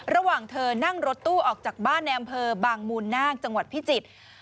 ระหว่างเธอนั่งรถตู้ออกจากบ้านในอำเภอบางมูลนาคจังหวัดพิจิตร